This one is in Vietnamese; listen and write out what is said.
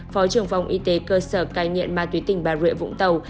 phó trưởng phòng y tế cơ sở cai nghiện ma túy tỉnh bà rịa vũng tàu